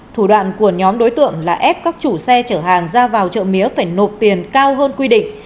thủ đoạn của nhóm đối tượng là ép các chủ xe chở hàng ra vào chợ mía phải nộp tiền cao hơn quy định